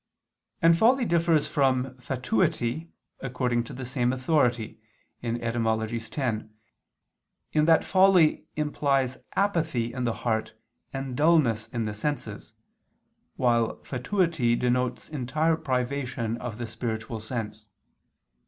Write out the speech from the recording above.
And folly differs from fatuity, according to the same authority (Etym. x), in that folly implies apathy in the heart and dullness in the senses, while fatuity denotes entire privation of the spiritual sense.